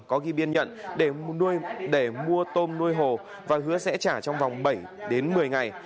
có ghi biên nhận để nuôi để mua tôm nuôi hồ và hứa sẽ trả trong vòng bảy đến một mươi ngày